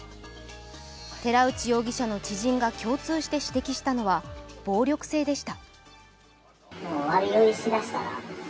寺内容疑者の知人が共通して指摘したのは暴力性でした。